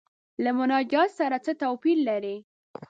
له مناجات سره څه توپیر لري.